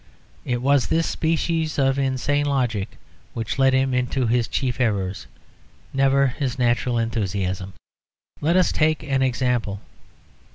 It was this species of insane logic which led him into his chief errors, never his natural enthusiasms. Let us take an example.